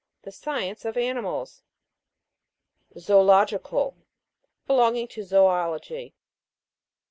The science of animals. ZOOLO'GICAL. Belonging to zoology.